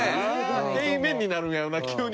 平面になるんやろうな急に。